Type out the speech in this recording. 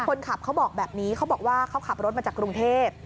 เขาบอกแบบนี้เขาบอกว่าเขาขับรถมาจากกรุงเทพ